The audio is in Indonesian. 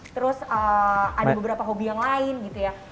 terus ada beberapa hobi yang lain gitu ya